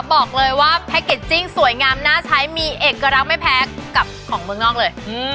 บอกเลยว่าแพ็คเกจจิ้งสวยงามน่าใช้มีเอกลักษณ์ไม่แพ้กับของเมืองนอกเลย